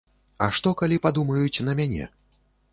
А што, калі падумаюць на мяне?